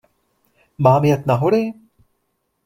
Mám jet na hory?